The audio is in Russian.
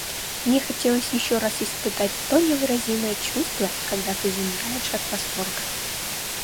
Мне хотелось еще раз испытать то невыразимое чувство, когда ты замираешь от восторга.